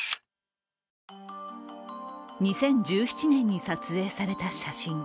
２０１７年に撮影された写真。